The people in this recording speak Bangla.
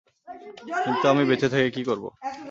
কিন্তু আমি বেঁচে থেকে কি করবো?